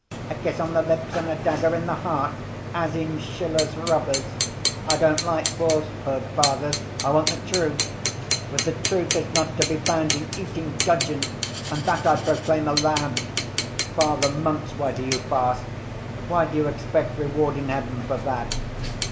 A kiss on the lips and a dagger in the heart, as in Schiller's Robbers. I don't like falsehood, Fathers, I want the truth. But the truth is not to be found in eating gudgeon and that I proclaim aloud! Father monks, why do you fast? Why do you expect reward in heaven for that?